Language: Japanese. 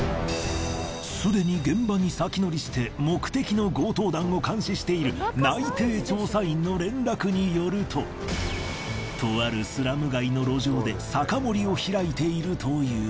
すでに現場に先乗りして目的の強盗団を監視している内定調査員の連絡によるととあるスラム街の路上で酒盛りを開いているという。